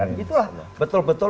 dan itulah betul betul